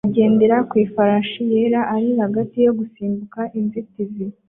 Ugendera ku ifarashi yera ari hagati yo gusimbuka inzitizi